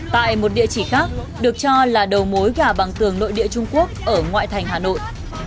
tại một địa chỉ khác được cho là đầu mối gà bằng tường nội địa trung quốc ở ngoại thành hà nội